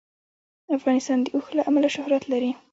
افغانستان د اوښ له امله شهرت لري.